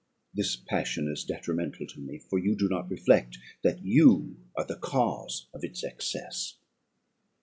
This passion is detrimental to me; for you do not reflect that you are the cause of its excess.